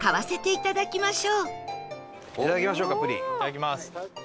いただきます。